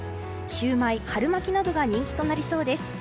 シューマイ、春巻きなどが人気となりそうです。